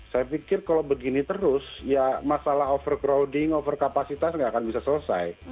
saya pikir kalau begini terus ya masalah overcrowding over kapasitas nggak akan bisa selesai